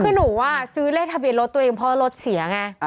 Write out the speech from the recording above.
คือหนูซื้อเลขทะเบียนรถตัวเองเพราะรถเสียไง